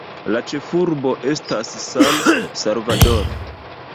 La ĉefurbo estas San-Salvadoro.